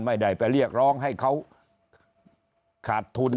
ไม่ได้ไปเรียกร้องให้เขาขาดทุน